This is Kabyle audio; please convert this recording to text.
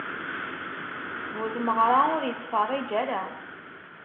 Bu tmeɣṛa ur ittfeṛṛiǧ ara.